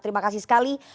terima kasih sekali